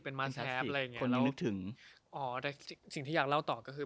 เป็นมาแซฟอะไรอย่างเงี้คนเรานึกถึงอ๋อแต่สิ่งที่อยากเล่าต่อก็คือ